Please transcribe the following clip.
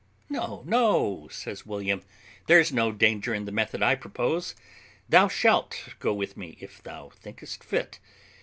"No, no," says William, "there's no danger in the method I propose; thou shalt go with me, if thou thinkest fit.